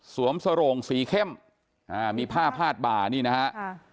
สโรงสีเข้มอ่ามีผ้าพาดบ่านี่นะฮะ